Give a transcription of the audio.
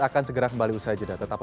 akan segera kembali usai jeda tetap